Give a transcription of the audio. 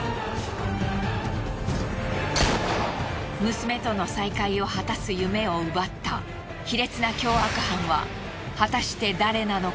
娘との再会を果たす夢を奪った卑劣な凶悪犯は果たして誰なのか？